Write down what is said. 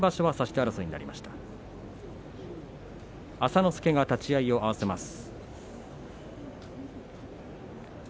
木村朝之助が立ち合いを合わせます。